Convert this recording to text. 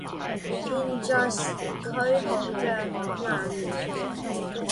現在時區好像很晚了